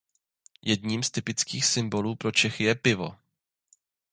Jedním z typických symbolů pro Čechy je pivo.